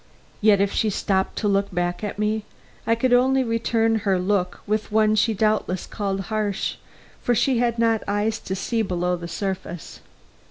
Yet, if she stopped to look back at me, I could only return her look with one she doubtless called harsh, for she had not eyes to see below the surface.